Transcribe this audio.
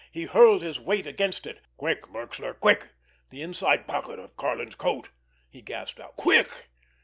He hurled his weight against it. "Quick, Merxler! Quick! The inside pocket of Karlin's coat!" he gasped out. "Quick!"